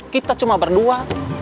kita cuma berdua